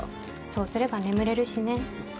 そうすれば眠れるしね。